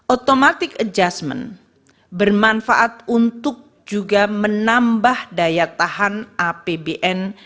automatic adjustment bermanfaat untuk juga menambah daya tahan apbn